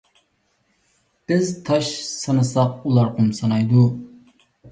بىز تاش سانىساق، ئۇلار قۇم سانايدۇ.